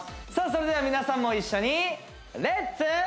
それでは皆さんも一緒にレッツ！